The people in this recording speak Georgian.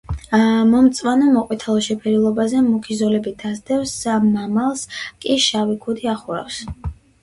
მომწვანო-მოყვითალო შეფერილობაზე მუქი ზოლები დასდევს, მამალს კი შავი „ქუდი“ ახურავს.